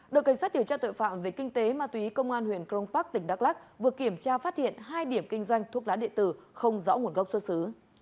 đội cảnh sát điều tra tội phạm về kinh tế ma túy công an huyện crong park tỉnh đắk lắc vừa kiểm tra phát hiện hai điểm kinh doanh thuốc lá địa tử không rõ nguồn gốc xuất xứ